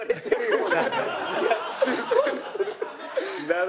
いやすごいする。